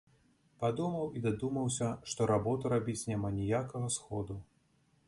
Падумаў і дадумаўся, што работу рабіць няма ніякага сходу.